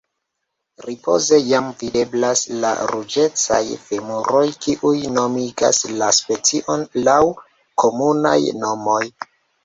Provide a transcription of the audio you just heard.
Ripoze jam videblas la ruĝecaj femuroj kiuj nomigas la specion laŭ komunaj nomoj.